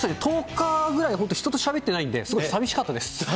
１０日ぐらい、本当、人としゃべってないんで、少し寂しかったです。